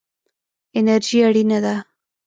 انرژي اړینه ده.